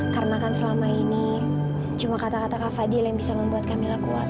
karena kan selama ini cuma kata kata kak fadil yang bisa membuat kamila kuat